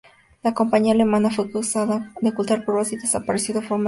La compañía alemana fue acusada de ocultar pruebas y desapareció de forma deshonrosa.